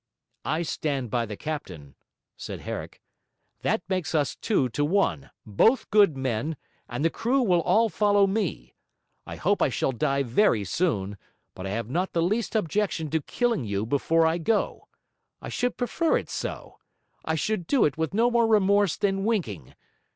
'I stand by the Captain,' said Herrick. 'That makes us two to one, both good men; and the crew will all follow me. I hope I shall die very soon; but I have not the least objection to killing you before I go. I should prefer it so; I should do it with no more remorse than winking.